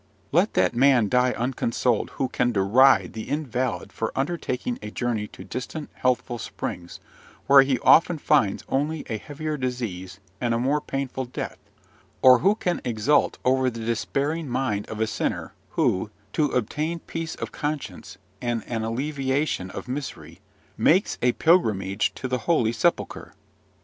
Let that man die unconsoled who can deride the invalid for undertaking a journey to distant, healthful springs, where he often finds only a heavier disease and a more painful death, or who can exult over the despairing mind of a sinner, who, to obtain peace of conscience and an alleviation of misery, makes a pilgrimage to the Holy Sepulchre.